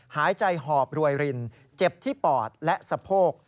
หายใจหอบรวยรินเจ็บที่ปอดและสะโพก